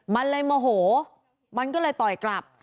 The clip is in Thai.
มันเลยโมโหมันก็เลยต่อยกลับ